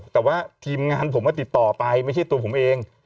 แต่ว่าทีมงานผมก็ติดต่อไปไม่ใช่ตัวผมเอง